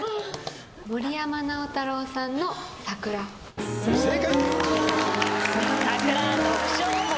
森山直太朗さんの『さくら』正解！